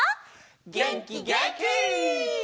げんきげんき！